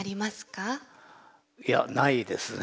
いやないですね。